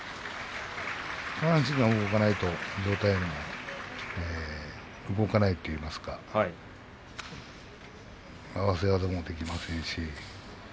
下半身が動かないと上体も動かないといいますか合わせ技もできませんし。